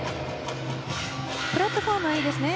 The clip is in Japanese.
プラットフォームはいいですね。